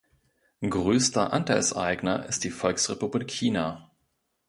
Größter Anteilseigner ist die Volksrepublik China.